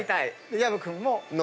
薮君も。